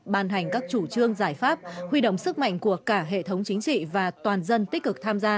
ban hành các chủ trương giải pháp huy động sức mạnh của cả hệ thống chính trị và toàn dân tích cực tham gia